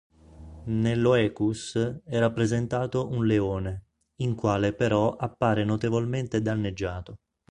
Nell"'oecus" è rappresentato un leone, in quale però appare notevolmente danneggiato.